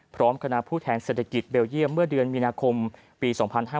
พร้อมคณะผู้แทนเศรษฐกิจเบลเยี่ยมเมื่อเดือนมีนาคมปี๒๕๕๙